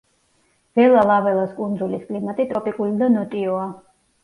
ველა-ლაველას კუნძულის კლიმატი ტროპიკული და ნოტიოა.